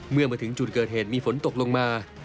เมื่อมาถึงจุดเกิดเหตุมีฝนตกลงมา